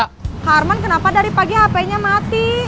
kak arman kenapa dari pagi hpnya mati